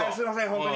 ホントに。